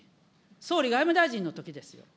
総理、外務大臣のときですよ。